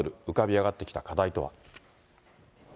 浮かび上がってきた課題とは。